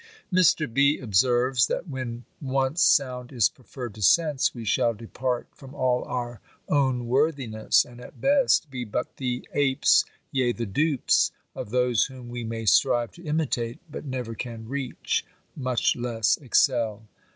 Mr. B. observes, that when once sound is preferred to sense, we shall depart from all our own worthiness, and, at best, be but the apes, yea, the dupes, of those whom we may strive to imitate, but never can reach, much less excel.